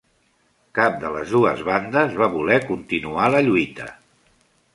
Cap de les dues bandes va voler continuar la lluita.